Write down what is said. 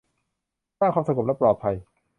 สร้างความสงบและความปลอดภัย